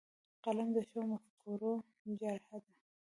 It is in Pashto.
قلم د ښو مفکورو جرړه ده